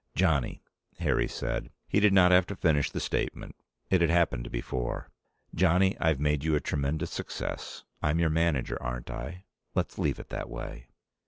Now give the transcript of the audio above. "Johnny," Harry said. He did not have to finish the statement. It had happened before "Johnny, I've made you a tremendous success. I'm your manager, aren't I? Let's leave it that way."